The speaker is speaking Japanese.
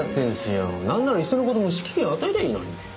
なんならいっその事もう指揮権与えりゃいいのに。